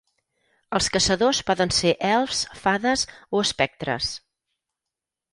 Els caçadors poden ser elfs, fades o espectres.